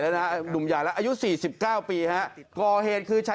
โดนไลน์